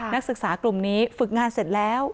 นักศึกษากลุ่มนี้ฝึกงานเสร็จแล้ว